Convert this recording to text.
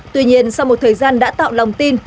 tuy nhiên sau một thời gian đã tạo lòng tin